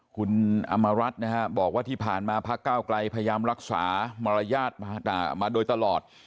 คุณอำมารัฐนะฮะบอกว่าที่ผ่านมาพักเก้าไกลพยายามรักษามารยาทมาโดยตลอด